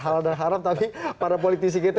halal dan haram tapi para politisi kita